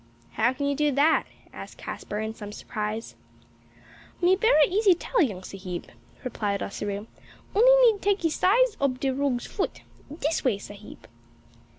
"How can you do that?" asked Caspar, in some surprise. "Me berra easy tell, young sahib," replied Ossaroo; "only need takee size ob de rogue's foot. Dis way, sahibs."